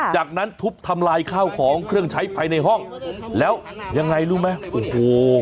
จากนั้นทุบทำลายข้าวของเครื่องใช้ภายในห้องแล้วยังไงรู้ไหมโอ้โห